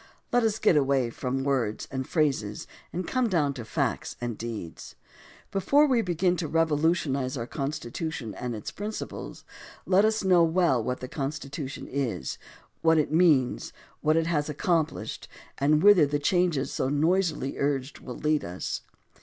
Let us get away from words and phrases and come down to facts and deeds. Before we begin to revolutionize our Constitution and its principles, let us know well what that Constitution is, what it means, what it has accomplished, and whither the changes so noisity urged will lead us.